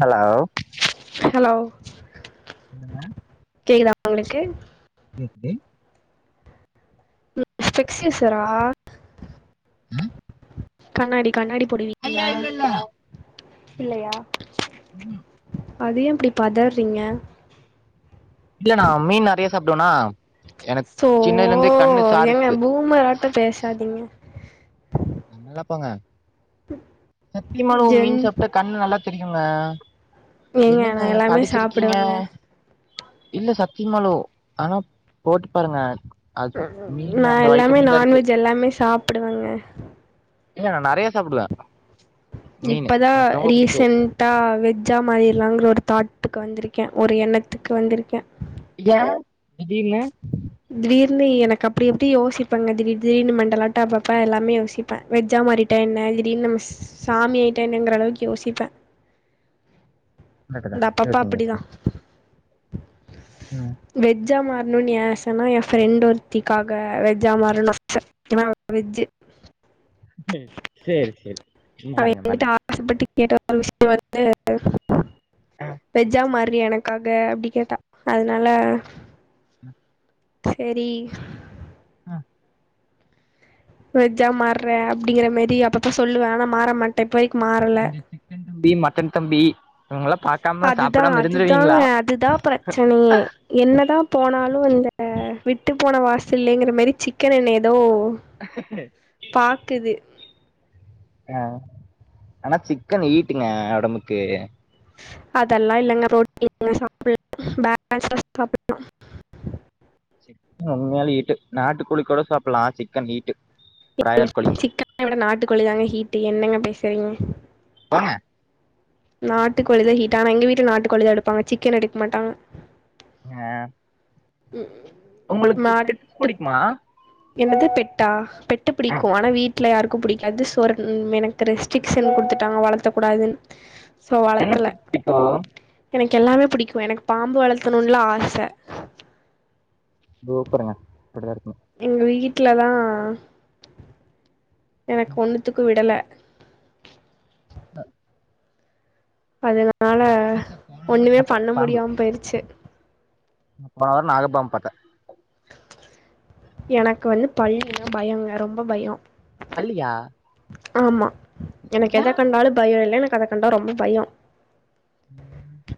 Hello hello சொல்லுங்க கேக்குதா உங்களுக்கு கேக்குது ம் பிக்ஸ்சேசரா ம் கண்ணாடி கண்ணாடி போடுவீங்களா இல்லையா ம்ஹூ அதுயேன் இப்டி பதறிங்க இல்ல நா மீன் நறையா சாப்டுவனா எனக்கு சோ சின்னதுல ஓ இருந்தே கண்ணு ஓ ஏங்க சார்ப்பு பூமராட்டு பேசாதிங்க நா நல போங்க சத்திமாளு ஜென் மீன் சாப்ட்டா கண்ணு நல்லா தெரிகுங்க ஏங்க என்னங்க நா எல்லாமே படிச்சிருக்கீங்க சாப்பிடுவேங்க இல்ல சத்திமாலு ஆனா போட்டு பாருங்க அது மீன்ல நா அந்த எல்லாமே வைட்டமின்ல இருக்கு நான்வெஜ் எல்லாமே சாப்டுவங்க ஏங்க நா நறையா சாப்டுவன் இப்பதா புடிக்கு ரீசண்ட்டா வெஜ்ஜா மாரில்லாங்கிற ஒரு தாட் டுக்கு வந்துருக்கேன் ஒரு எண்ணத்துக்கு வந்துருக்கேன் ஏன் திடீர்னு திடீர்னு எனக்கு அப்டி இப்டி யோசிப்பங்க திடீர் திடீர்னு மெண்டலாட்டு அப்பப்ப எல்லாமே யோசிப்பேன் வெஜ்ஜா மாறிட்டா என்ன திடீர்னு நம்ம சாமிய ஆயிட்டா என்னங்கிற அளவுக்கு யோசிப்பே ஆக்கதா இந்த அப்பப்ப எசமி அப்டிதா எசமி வெஜ்ஜா மாற னுன் ஏன் ஆ சன்னா ஏன் ஃப்ரண்டு ஒருத்திக்காக வெஜ்ஜா மாறன் நா [inaudible] வெஜ்ஜி செரி செரி மாருங்க மாருங்க எதா ஒரு விஷ் வந்து ஆ வெஜ்ஜா மார் றி எனக்காக அப்டி கேட்டா அதுனால ம் செரி வெஜ்ஜா மார்றே அப்டிங்கிற மாரி அப்பப்ப சொல்லுவே ஆனா மாற மாட்டே இப் நீங்க சிக்கன் தம்பி மட்டன் தம்பி இவங்கல்லா பாக்காம அதுதா சாப்டாம அதுதாங்க இருந்துருவீங்களா அதுதா பிரச்சனையே என்னதா போனா லு இந்த விட்டு போன வாசல்லேங்கிற மாரி சிக்கன் என்ன எதோ பாக்குது ஆ ஆனா சிக்கன் ஈட்டுங்க ஒடம்புக்கு அதெல்லா இல்லங்க ப்ரோட்டீன்ங்க சாப்புல்லா [unintelligible] சாப்புல்லா சிக்கன் உண்மையாலெ ஹீட்டு நாட்டுக்கோழி கூட சாப்புல்லா சிக்கன் ஹீட்டு பிராய்லர் கோழி டு என்னங்க பேசுறீங்க போங்க நாட்டுக்கோழிதா ஹீட் ஆனா எங்க வீட்ல நாட்டுக்கோழிதா எடுப்பாங்க சிக்கன் எடுக்க மாட்டாங்க ஆ ம் உங்களுக்கு பெட்ஸ் புடிக்குமா? என்னது பெட்டா பெட்டு பிடிக்கு ஆனா வீட் ல யாருக்கு பிடிக்காது சோரன் எனக்கு ரெஸ்ட்ரிக்ஷன் குடுத்துட்டாங்க வளத்தக்கூடாதுன் என்ன பெட் புடிக்கு எனக்கு எல்லாமே புடிக்கு எனக்கு பாம்பு வளத்தனூன்லா ஆச சூப்பருங்க எங்க வீட் ல தா எனக்கு ஒன்னுத்துக்கு விடல அ அதனால நா பாத்தே போன வார ஒண்ணுமே பாத்தே பண்ண பாம்பு முடியாம போயிருச்சு போன வார நாகப்பாம் பாத்தே எனக்கு வந்து பல்லினா பயொங்க ரொம்ப பயோ பல்லியா ஆமா எனக்கு ஏ எத கண்டாலு பயோ இல்ல என கத கண்டா ரொம்ப பயோ ம்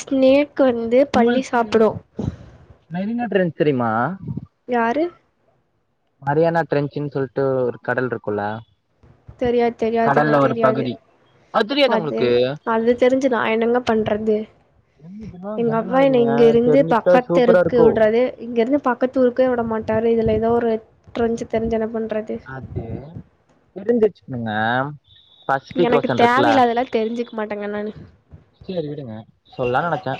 ஸ்னேப் க்கு வந்து பள்ளி சாப்டு ப்ரன்ச் தெரியுமா யாரு மரியானா டரெஞ்சுன்னு சொல்லிட்டு ஒரு கடல் இருக்கும்ல்ல தெரியாது தெரியாதுங்க தெரியாது தெரியாதா அது உங்களுக்கு அது தெரிஞ்சு நா என்னங்க பண்றது என்ன இதெல்லா எங்க ஜென்ரல் அப்பா என்ன நாலேஜுங்க இங்க இருந்து தெரிஞ்சுக்கிட்டா பக்கத்து சூப்பரா தெருக்கு இருக்கு விடுறதே இங்க இருந்து பக்கத்து ஊருக்கே விட மாட்டாரு இதுல ஏதோ எத்தெஞ்சு தெரிஞ்சன பண்றது அது தெரிஞ் ச்ம்னா எனக்கு தேவையில்லாதெ ல்லா தெரிஞ்சுக்க மாட்டேங்க நானு சரி விடுங்க சொல்லலான்னு நெனச்சே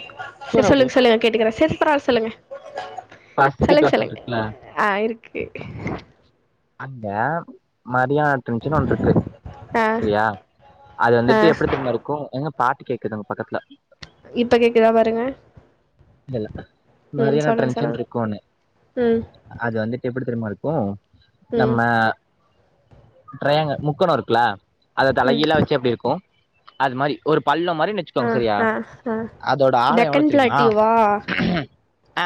சரி சொல்லுங்க சொல்லுங்க கேட்டுக்கறே சரி பரவால சொல்லுங்க பசிபிக் செலுங்க ஓசன் செலுங்க இருக்குல்ல ஆ இருக்கு கே அந்த மரியானாடென்ச்சுனு ஒன்னு இருக்கு ஆ சரியா அது ஆ வந்துட்டு எப்படி தெரிமா இருக்கு எங்க பாட்டு கேக்குதுங்க பக்கத்துல இப்ப கேக்குதா பாருங்க இல்ல ம் மாதிரியான சொல்லுங்க டென்ஷன் சொல்லுங்க இருக்கும்ன்னு ம் அது வந்துட்டு எப்படி தெரிமா இருக் போவு ம் நம்ம ட்ரையாங்கல் முக்கோணோ இருக்குல அத ம் தலைகிழா வச்சா எப்டி இருக்கு அது மாதிரி ஒரு பல்ல மாதிரி ஆ நச்சுக்கோங்க சரியா ஆ அதோட ஆலோ எவ்ளோ டெக்கன் தெரியுமா பிளாட்டியூவா ஆ அ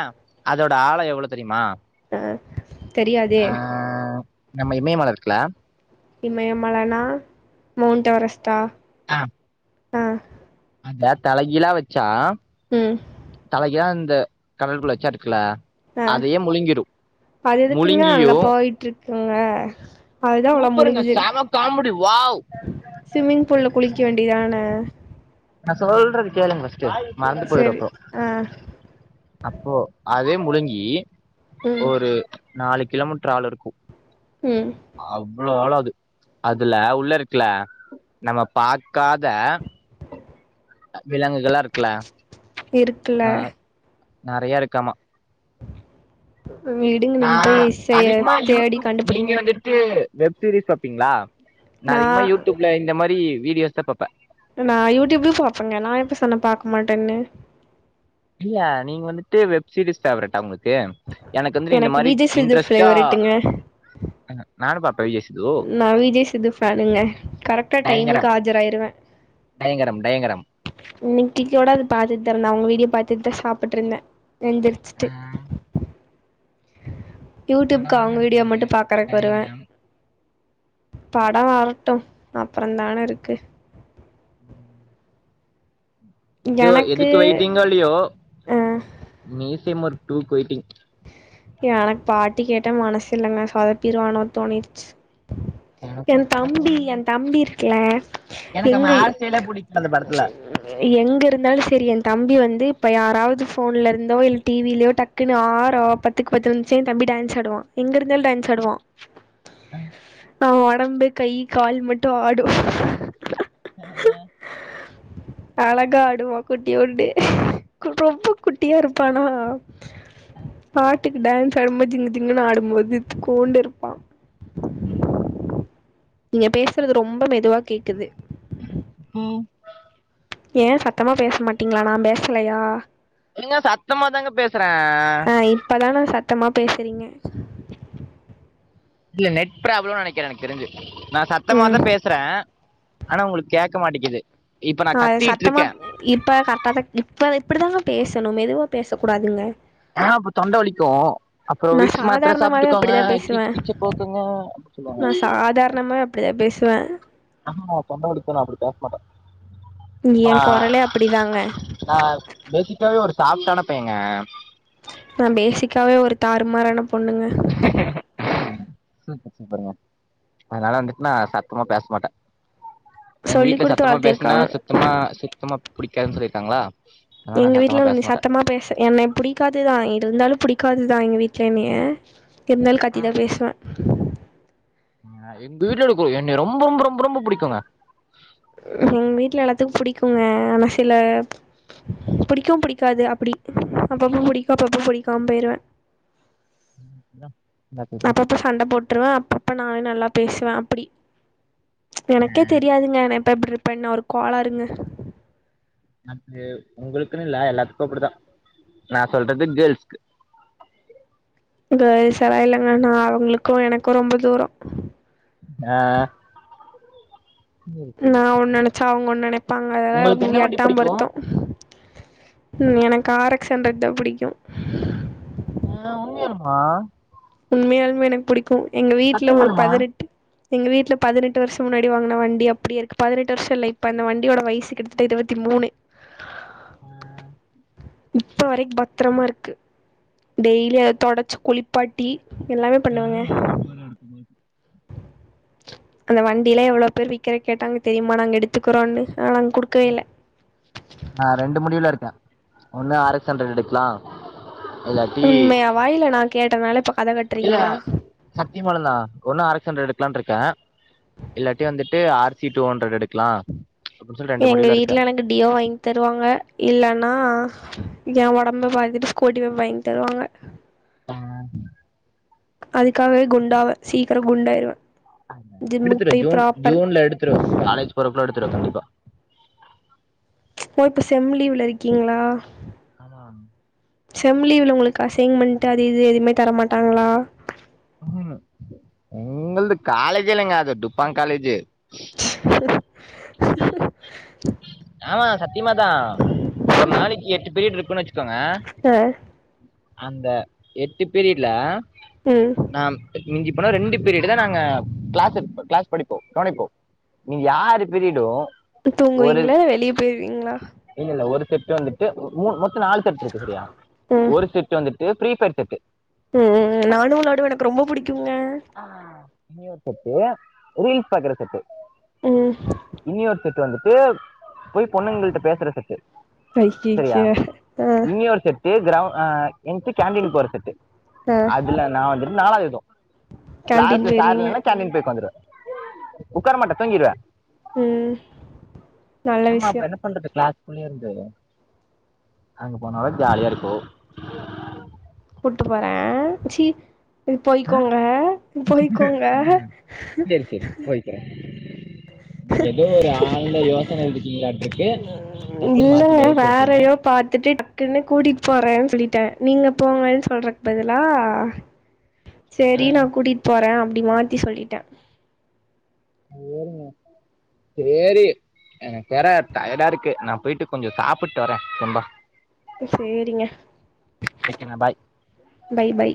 அதோட ஆலோ எவ்ளோ தெரியுமா ஆ தெரியாதே ஆ நம்ம இமயமல இருக்கல இமயமலனா மௌண்ட் எவரெஸ்டா ஆஹ் ஆஹ அத தலைகிலாம் வச்சானா ம் தலைக்க ந்த கடலக்குள்ள வச்சா இருக்கல அஹ் அது எதுக்குங்க அங்க முழுங்கியு போயிட்டு இருக்கு குங்க அதுதான் அவ்வளவு சூப்பருங்க முழுகுது செம காமெடி வாவ் ஸ்விமிங் பூல்ல குளிக்க வேண்டியதான நான் சொல்றது கேளுங்க மறந்து போயிரும் செரி அப்பறம் ஆ அப்போ அதே முழுங்கி ம் ஒரு நாலு கிலோமீட்டர் ஆழம் இருக்கும் ம் அவ்வளோ ஆழம் அதுல உள்ள இருக்குல நம்ம பாக்காத விலங்குகளாம் இருக்குல இருக்குல நிறைய இருக்காமா வீடுங்க நா நீங்க போய் அதிகமா தேடி யூடியூப் நீங்க கண்டுபிடிங்க வந்துட்டு வெப் சீரிஸ் பாப்பிங்களா நான் நா அதிகமா யூடியூப்ல இந்த மாதிரி வீடியோஸ் தான் பாப்பேன் நான் யூடியூப்லயும் பாப்பேங்க நான் இப்ப சொன்ன பாக்க மாட்டேன்னு இல்ல நீங்க வந்துட்டு வெப்சீஸ் பேவரடட்டா உங்க எனக்கு வந்து இந்த மாதிரி விஜய் சேது இன்ட்ரெஸ்டா நானு பாப் நான் வி ஜே சித்துபேனுங்க கரெக்டா டைமுக்கு டயங்கரம் ஆஜராயிருவேன் டயங்கரம் டயங்கரம் இன்னைக்கு கூட அது பாத்துட்டு தரேன் அவங்க வீடியோ பா அ தான் சாப்பிட்டு இருந்தேன் ஆ எந்திரிச்சுட்டு [unintelligible] யூடியூப்கு படம் வேற அவங்க வீடியோ நடிக்கிறாரு மட்டும் பாக்குறக்கு வருவேன் டயங்கரம் படம் வரட்டும் அப்புறம் தானே இருக்கு உம் இது எனக்கு எதுக்கு வெயிட்டிங்கா இல்லயோ ஆ நீ சே ஒரு டூ குயிங் ஏ எனக்கு பாட்டி கேட்ட மனசு இல்லங்க சொதப்பிடுவானோ தோணிடுச்சு எ எனக்கு அதாங்க தம்பி எ தோணுதுங்க தம்பி இருக்குல எனக்கு எங்க அவன் ஹேர் ஸ்டைலே புடிக்கல அந்த படத்துல எங்க இருந்தாலு சரி எ தம்பி வந்து இப்ப யாராவது போன்ல இருந்தோ இ டிவிலோ டக்குன்னு ஆ பத்துக்கு பத்து நிமிஷ தம்பி டான்ஸ் ஆடுவா எங்களுக்கு டான்ஸ் ஆடுவா அவ ஒடம்பு கை கால் மட்டு ஆடு அழகா ஆடுவா குட்டியோண்டு ரொம்ப குட்டியா இருப்பானா பாட்டுக்கு டான்ஸ் ஆடும்போது ஜிங்க ஜிங்குன்னு ஆடும்போது இத்துக்கூன்டு இருப்பா ம் நீங்க பேசுறது ரொம்ப மெதுவா கேக்குது உம் ஏ சத்தமா பேச மாட்டீங்களா நா பேசலயா ஏங்க சத்தமா தாங்க பேசுறே ஆ இப்பதா நா சத்த சத்தமா பேசுறீங்க இல்ல நெட் ப்ராப்ளம்னு நெனக்குற எனக்கு தெரிஞ்சு நா சத்தமாதா ம் பேசுறே ஆனா ஒங்களுக்கு கேக் சிக்க மாட்டிக்கிது ஆ சத்தமா இப்ப கரெக்டா தா இப்ப இப்டிதாங்க பேசணு மெதுவா பேசக்கூடாதுங்க ஆ அப்ப தொண்ட வலிக்கு அப்பறோ நா விக்ஸ் மாத்திர சாதாரணமாவே சாப்பிட்டுக்கோங்க அப்டிதா பேசுவே கீச் கிச்ச போக்குங்க அப்டி சொல்லுவாங்க பிளான் ஆம்மா தொண்டவடுத்தா அப்டி பேச மாட்டா நீ எ கொரலே அப்டிதாங்க சாப்ட்டான பைய்யங்க நா பேசிக்காவே ஒரு தாறுமாராண பொண்ணுங்க சூப்பர் சூப்பருங்க அதனால வந்துட்டு நா சத்தமா பேசமாட்டே சொல்லி் குடுத்து வளத்தி இருக்காங்க சுத்தமா பிடிக்காதுன்னு சொல்லியிருக்காங்களா அதனால எங்க நான் சத்தமா வீட்ல பேச நீ மாட்டேன் சத்தமா பேச என்ன புடிக்காதுதா இருந்தாலு புடிக்காதுதா எங்க வீட்ல என்னய இருந்தாலு கத்தி தா பேசுவே எங்க வீட்ல இருக்குவங்க என்ன ரொம்ப ரொம்ப ரொம்ப ரொம்ப புடிக்குங்க எங்க வீட்ல எல்லாத்துக்கு புடிக்குங்க ஆனா சில புடிக்கு புடிக்காது அப்டி அப்பப்ப புடிக்கு அப்பப்ப புடிக்காம போயிருவே இந்தா [inaudible] அப்பப்ப சண்ட போட்ருவன் அப்பப்ப நானும் நல்லா பேசுவேன் அப்படி ஆ, எனக்கே தெரியாதுங்க நான் இப்ப எப்டி இருப்ப பெண்ஒரு கோளாறுங்க அ உங்களுக்குன்னு இல்ல எல்லாத்துக்கும் அப்படித்தான் நான் சொல்றது கேர்ல்ஸ்கு கேர்ல்ஸ் எல்லாம் இல்லங்க நா அவுங்களுக்கும் எனக்கும் ரொம்ப தூரம் அஹ நான் ஒன்னு நினைச்சா அவுங்க ஒன்னு [unintelligible] இருப்பாங்க உங்களுக்கு அதெல்லாம் என்ன வண்டி எட்டாம் பிடிக்கு பொருத்தம் உம் எனக்கு ஆர் எக்ஸ் ஹண்டர்ட் தான் புடிக்கும் மா அவுங்க யாரும்மா உண்மையாலுமே எனக்கு புடிக்கும் இப்போ எங்க வீட்ல ஒரு சத்தியமாலுமா பதினெட்டு எங்க வீட்ல பதினெட்டு வருஷம் முன்னாடி வாங்குன வண்டி அப்டியே இருக்கு பதினெட்டு வருஷம் இல்ல இப்ப அந்த வண்டியோட வயசு கிட்டத்தட்ட இருவத்தி மூணு இப்ப வரைக்கும் பத்திரமா இருக்கு டெய்லி அத தொடச்சி குளிப்பாட்டி டீ எல்லாமே பண்ணுவங்க அந்த வண்டியில எவ்வளவு பேர் விக்கிற கேட்டாங்க தெரியுமா நாங்க எடுத்துக்கிறோம்ன்னு நான் ரெண்டு முடிவுல இருக்கேன் ஒண்ணு ஆர் எக்ஸ் ஹண்ட்ரட் எடுக்கலாம் உண்மையாவா இல்ல கேட்டனால இப்ப கத இல்லனா கட்றீங்களா சத்தியமா தான் ஒன்னும் ஆர் எக்ஸ் ஹண்ட்ரட் எடுக்கலாம் இருக்கேன் இல்லாட்டி வந்துட்டு ஆர்சி டூ ஹண்ட்ரட் எடுக்கலாம் எங்க வீட்டுல எனக்கு டியோ வாங்கி தருவாங்க இல்லன்னா என் உடம்பு பாத்தட்டு ஸ்கூட்டி பேப் வாங்கி தருவாங்க ஆ அதுக்காகவே குண்டாவேன் சீக்கிரம் குண்டாயிருவேன் எடுத்துடுவேன் ஜூன் ஜூன்ல எடுத்துடுவன் காலேஜ் போறக்குல எடுத்துடுவேன் கண்டிப்பா ஓ இப்ப செம்லிவுல இருக்கீங்களா ஆமா செம்லீவ் உங்களுக்கு அசைம்மன்ட்டு அது இது எதுவுமே தர மாட்டாங்களா எங்களது காலேஜ இல்லைங்க அது டுப்பாங் காலேஜ் மேம் லாம் திமா தா ஒரு நாளைக்கு எட்டு பீரியீட் இருக் கோங்க ஆ அந்த எட்டு பீரியட்ல ம் நா மிஞ்சி போனா ரெண்டு பீரியடு தா நாங்க கிளாஸ் கிளாஸ் படிப்போம் கவனிப்போம் நீங்க யாரு பீரியடும் ஒரு தூங்குவீங்களா வெளிய போயிருவீங்களா இல்ல இல்ல ஒரு செட் வந்துட்டு மூணு மொத் தம் நாலு செட் இருக்கு செரியா ஒரு செட்டு வந்துட் எதோ ப்ரீ ஃபயர் செட்டு ம் ம் ம் நானு நடுவு எனக்கு ரொம்ப புடிக் ஆ இன்னி ஒரு செட்டு ரீல்ஸ் பாக்கற செட்டு ம் இன்னி ஒரு செட் ட்டு வந்துட்டு போய் பொண்ணுங்கள்ட்ட பேசற செட்டு செரியா ஐய்யய்ய ஆ இன்னி ஒரு செட் இப்ப கிராம ஆ என்ட்டு கேண்டீன் போறதுக்கு ஆ அதுல நா வந்துட்டு நாலாவது னோ கேன்டீன் க்ளாஸ்ல சார் போயிருவீங்க இல்லனா கேன்டீன் போயி ஒக்காந்துருவ ஒக்காரமாட்டே தூங்கிருவே ம் நல்ல விஷியம் குள்ளே இருந்து அங்க போனா தா ஜாலியா இருக்கும் கூட்டுபோறன் சி இ போயிக்கோங்க போயிக்கோங்க சரி சரி போய்க்கிறேன் நீங்க எதோ ஒரு ஆழ்ந்த யோசனைல இருக்கீங்ளாட்டுருக்கு டப்புன் மாத்தி இல்லங்க பதில் சொல்டீங்க போறன் சொல்லிட்டன் நீங்க போங்கன் சொல்றக்கு பதிலா சேரி நா கூட்டிட் போறன் அப் டி மாத்தி சொல்லிட்டன் சேரிங்க‌ சேரி எனக்கு வேற டயடா இருக்கு நா போயிட்டு கொஞ்சம் சாப்பட்டு வரேன் தெம்பா இப்ப சேரிங்க வைக்கிறே பாய் பை பை